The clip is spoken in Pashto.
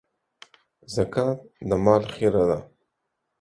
زکات د مال خيره ده.